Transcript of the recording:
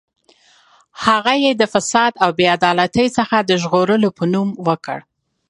هغه یې د فساد او بې عدالتۍ څخه د ژغورلو په نوم وکړ.